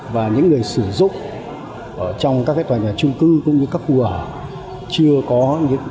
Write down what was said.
và những người sử dụng ở trong các tòa nhà trung cưng cũng như các khu hỏa chưa có những